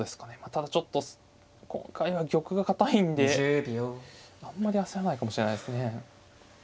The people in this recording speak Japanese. ただちょっと今回は玉が堅いんであんまり焦らないかもしれないですね。